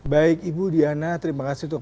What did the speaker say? baik ibu diana terima kasih untuk